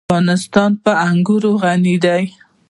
افغانستان په انګور غني دی.